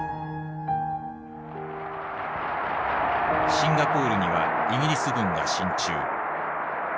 シンガポールにはイギリス軍が進駐。